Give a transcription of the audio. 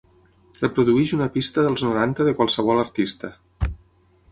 Reprodueix una pista dels noranta de qualsevol artista